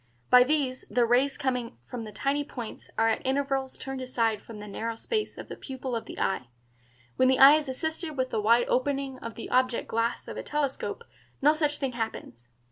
By these the rays coming from the tiny points are at intervals turned aside from the narrow space of the pupil of the eye. When the eye is assisted with the wide opening of the object glass of a telescope no such thing happens.